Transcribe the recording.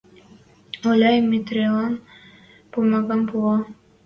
Оляй Митрилӓн пумагам пуа.